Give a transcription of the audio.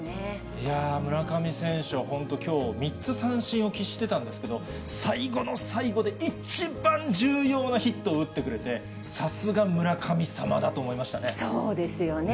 いやー、村上選手は本当きょう、３つ三振を喫してたんですけど、最後の最後で一番重要なヒットを打ってくれて、さすが、村神様だそうですよね。